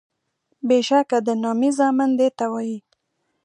بیشکه د نامي زامن دیته وایي